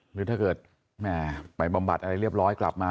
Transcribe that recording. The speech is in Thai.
หรือถ้าเกิดแม่ไปบำบัดอะไรเรียบร้อยกลับมา